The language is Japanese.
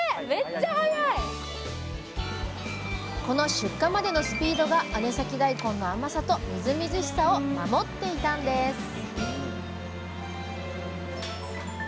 この出荷までのスピードが姉崎だいこんの甘さとみずみずしさを守っていたんです！